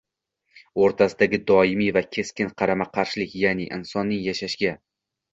o‘rtasidagi doimiy va keskin qarama-qarshilik, ya’ni, insonning yashashga